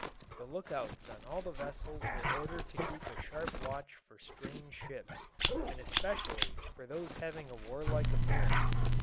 The lookouts on all the vessels were ordered to keep a sharp watch for strange ships, and especially for those having a warlike appearance.